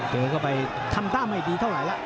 เจอก็ไปทำตั้งไม่ดีเท่าไหร่แล้ว